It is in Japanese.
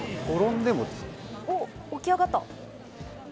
おっ、起き上がった。